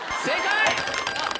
正解。